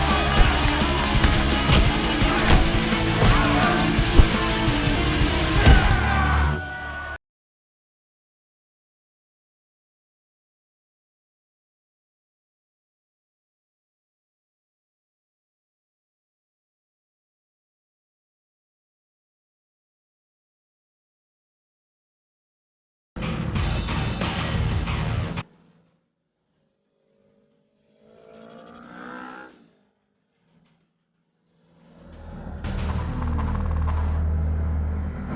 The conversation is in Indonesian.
aku ingin dia aku